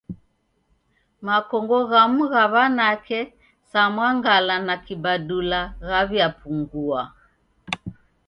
Makongo ghamu gha w'anake sa mwangala na kibadula ghaw'iapungua.